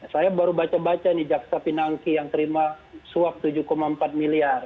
saya baru baca baca nih jaksa pinangki yang terima suap tujuh empat miliar